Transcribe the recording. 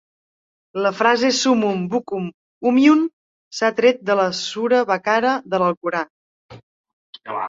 La frase "Summun, Bukmun, Umyun" s'ha tret de la Sura Bakara de l'Alcorà.